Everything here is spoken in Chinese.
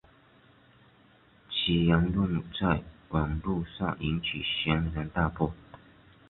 其言论在网路上引起轩然大波。